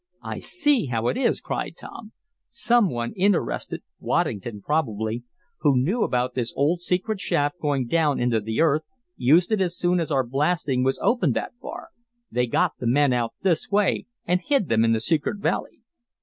"I see how it is!" cried Tom. "Some one interested, Waddington probably, who knew about this old secret shaft going down into the earth, used it as soon as our blasting was opened that far. They got the men out this way, and hid them in the secret valley."